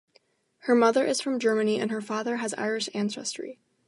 Her mother is from Germany and her father has Irish ancestry.